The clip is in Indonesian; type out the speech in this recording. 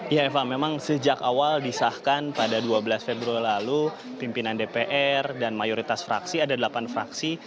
ya eva memang sejak awal disahkan pada dua belas februari lalu pimpinan dpr dan mayoritas fraksi ada delapan fraksi